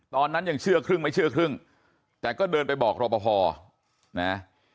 ตอนนั้นยังเชื่อครึ่งไม่เชื่อครึ่งแต่ก็เดินไปบอกรอปภนะ